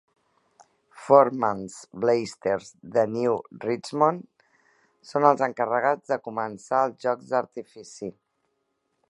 Forman's Blasters, de New Richmond, són els encarregats de començar els jocs d"artifici.